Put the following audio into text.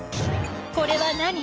これは何？